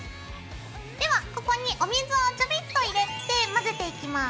ではここにお水をちょびっと入れて混ぜていきます。